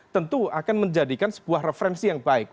tentu akan menjadikan sebuah referensi yang baik